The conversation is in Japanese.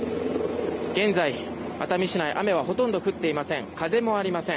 現在、熱海市内雨はほとんど降っていません。